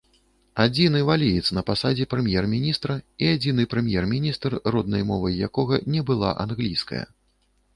Адзіны валіец на пасадзе прэм'ер-міністра і адзіны прэм'ер-міністр, роднай мовай якога не была англійская.